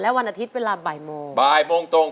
และวันอาทิตย์เวลาบ่ายโมง